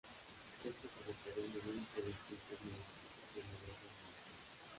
Estos afectarían el índice de extinción en las islas y el nivel de inmigración.